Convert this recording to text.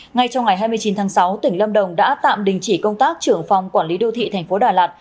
ngay trong ngày hai mươi chín tháng sáu tỉnh lâm đồng đã tạm đình chỉ công tác trưởng phòng quản lý đô thị thành phố đà lạt